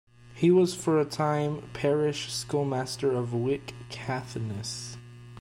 He was for a time parish schoolmaster of Wick, Caithness.